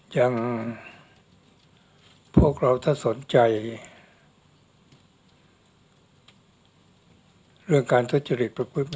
อย่างพวกเราถ้าสนใจเรื่องการทุจริตประพฤติ